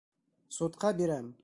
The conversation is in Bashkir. Судҡа бирәм!